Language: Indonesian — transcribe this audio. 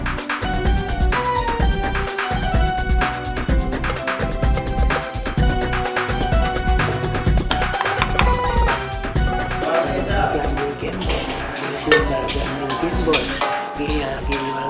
hah kok kecap keluarnya saus